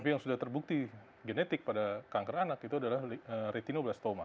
tapi yang sudah terbukti genetik pada kanker anak itu adalah retinoblastoma